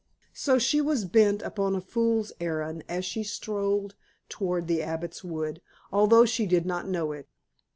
So she was bent upon a fool's errand, as she strode towards the Abbot's Wood, although she did not know it.